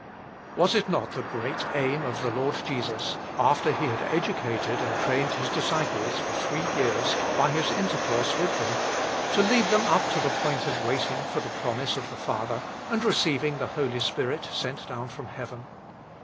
Was it not the great aim of the Lord Jesus, after He had educated and trained His disciples for three years by His intercourse with them, to lead them up to the point of waiting for the promise of the Father and receiving the Holy Spirit sent down from heaven